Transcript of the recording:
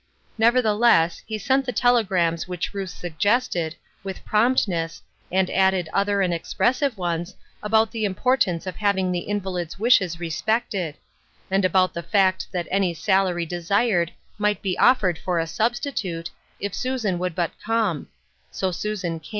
Nevertheless, he sent the telegrams which Ruth suggested, with prompt ness, and added other and expressive ones about the importance of having the invalid's wishes re spected ; and about the fact that any salary desired might be offered for a substitute, if Susan would but come ; so Susan came.